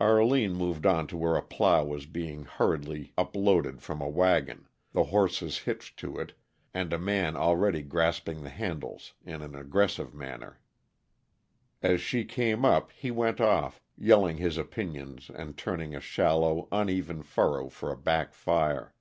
Arline moved on to where a plow was being hurriedly unloaded from a wagon, the horses hitched to it, and a man already grasping the handles in an aggressive manner. As she came up he went off, yelling his opinions and turning a shallow, uneven furrow for a back fire.